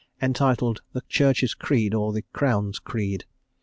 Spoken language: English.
entitled "The Church's Creed, or the Crown's Creed"....